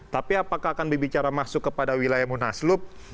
tapi apakah akan berbicara masuk kepada wilayah munaslup